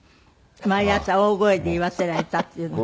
毎朝大声で言わせられたっていうの。